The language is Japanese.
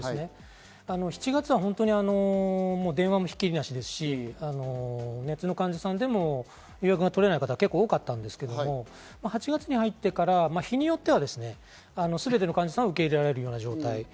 ７月は本当に電話もひっきりなしですし、熱の患者さんでも予約が取れない方が結構多かったんですけれども、８月に入ってから日によってはすべての患者さんを受け入れられるような状態。